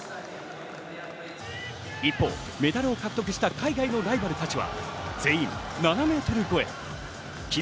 一方、メダルを獲得した海外のライバルたちは全員７ｍ超え。